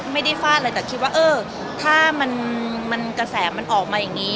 ไม่ได้ฟาดอะไรแต่คิดว่าเออถ้ากระแสมันออกมาอย่างนี้